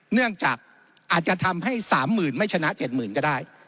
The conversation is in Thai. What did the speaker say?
เนื่องจากอาจจะทำให้๓๐๐๐ไม่ชนะ๗๐๐ก็ได้